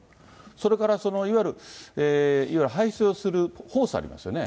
それからいわゆる、排水をするホースありますよね。